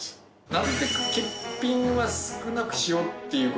なるべく欠品は少なくしようという事で。